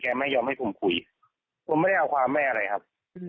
ไม่ยอมให้ผมคุยผมไม่ได้เอาความแม่อะไรครับ